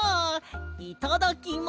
いただきま。